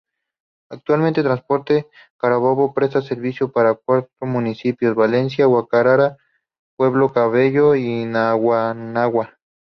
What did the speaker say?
Actualmente Transporte Carabobo presta servicio para cuatro municipios: Valencia, Guacara, Puerto Cabello y Naguanagua.